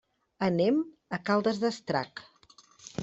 Anem a Caldes d'Estrac.